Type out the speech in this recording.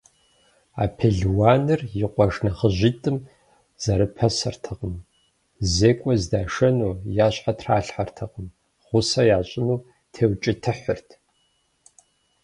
А пелуаныр и къуэш нэхъыжьитӏым зэрапэсыртэкъым: зекӏуэ здашэну я щхьэ тралъхьэртэкъым, гъусэ ящӏыну теукӏытыхьырт.